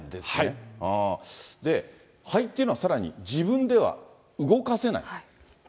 で、肺っていうのは、さらに自分では動かせない。